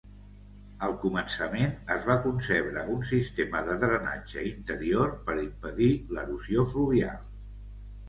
Al començament, es va concebre un sistema de drenatge interior per impedir l'erosió fluvial.